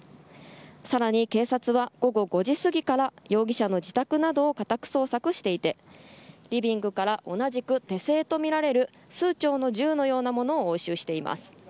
さらに警察は、午後５じすぎから容疑者の自宅などを家宅捜索していてリビングから同じく手製とみられる数丁の銃のようなものを押収しています。